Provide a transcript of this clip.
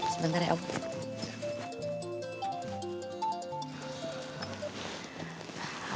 sebentar ya om